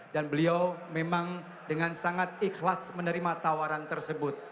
dan beliau memang dengan sangat ikhlas menerima tawaran tersebut